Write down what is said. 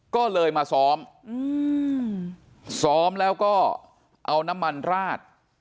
ก็เลยมาซ้อมซ้อมแล้วก็เอาน้ำมันราด